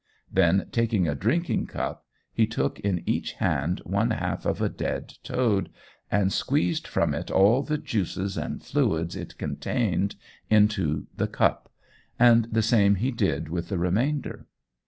Then, taking a drinking cup, he took in each hand one half of a dead toad, and squeezed from it all the juices and fluids it contained into the cup, and the same he did with the remainder.